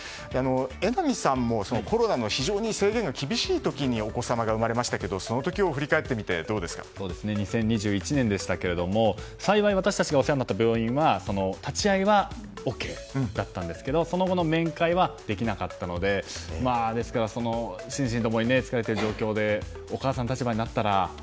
榎並さんもコロナの非常に制限が厳しい時にお子様が生まれましたけどその時を振り返って２０２１年でしたけども幸い私たちがお世話になった病院は、立ち会いはＯＫだったんですけどその後の面会はできなかったのでですから、心身ともに疲れている状況でお母さんの立場になったら。